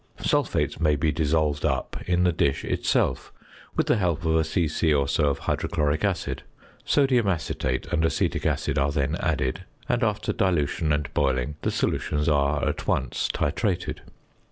Sulphates may be dissolved up in the dish itself with the help of a c.c. or so of hydrochloric acid; sodium acetate and acetic acid are then added; and, after dilution and boiling, the solutions are at once titrated.